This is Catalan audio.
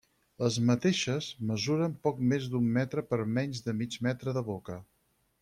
Les mateixes mesuren poc més d'un metre per menys de mig metre de boca.